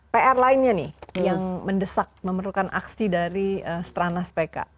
pr lainnya nih yang mendesak memerlukan aksi dari stranas pk